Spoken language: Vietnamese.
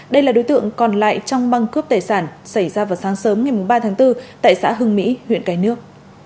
đây là đối tượng còn lại trong băng cướp tài sản xảy ra vào sáng sớm ngày ba tháng bốn tại xã hưng mỹ huyện cái nước